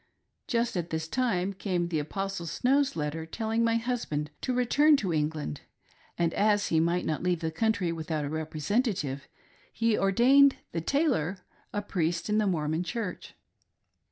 Just at this time came the Apostle Show's letter telling my husband to return to England ; and as he might not leave the country without a representative, he ordained the tailor a Priest in the Mormon Church.